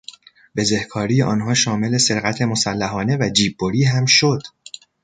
بزهکاری آنها شامل سرقت مسلحانه و جیببری هم شد.